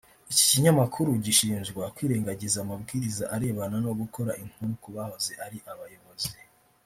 Iki kinyamakuru gishinjwa kwirengagiza amabwiriza arebana no gukora inkuru ku bahoze ari abayobozi